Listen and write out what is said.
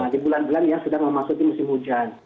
di bulan bulan ya sudah memasuki musim hujan